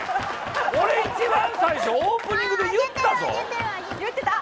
俺一番最初オープニングで言ったぞ。